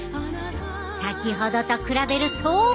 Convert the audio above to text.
先ほどと比べると。